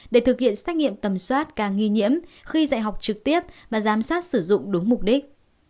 để thực hiện xét nghiệm tầm soát ca nghi nhiễm khi dạy học trực tiếp và giám sát sử dụng đúng mục đích